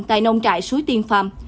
tại nông trại suối tiên phạm